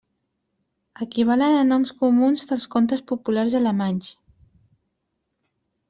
Equivalen a noms comuns dels contes populars alemanys.